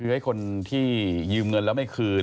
คือให้คนที่ยืมเงินแล้วไม่คืน